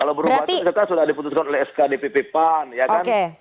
kalau berubah itu kan sudah diputuskan oleh sk dpp pan ya kan